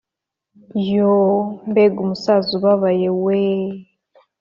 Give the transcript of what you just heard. yooh mbega umusaza ubabaye we!!”.